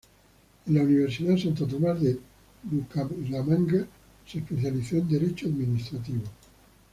En la Universidad Santo Tomas de Bucaramanga se especializó en Derecho Administrativo.